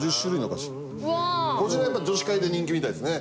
こちらやっぱ女子会で人気みたいですね。